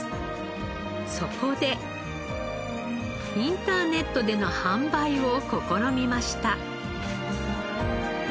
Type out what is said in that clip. そこでインターネットでの販売を試みました。